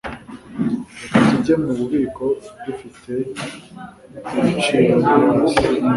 Reka tujye mububiko bufite ibiciro biri hasi.